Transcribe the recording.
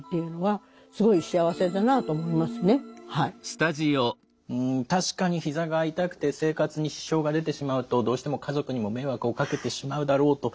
自分が確かにひざが痛くて生活に支障が出てしまうとどうしても家族にも迷惑をかけてしまうだろうと。